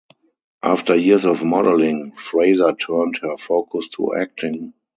After years of modeling, Fraser turned her focus to acting.